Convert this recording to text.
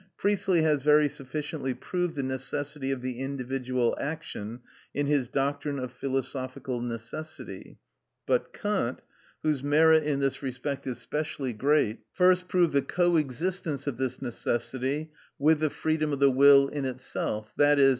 Priestley has very sufficiently proved the necessity of the individual action in his "Doctrine of Philosophical Necessity;" but Kant, whose merit in this respect is specially great, first proved the coexistence of this necessity with the freedom of the will in itself, _i.e.